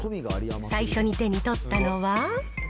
最初に手に取ったのは。